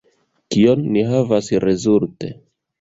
Kion ni havas rezulte?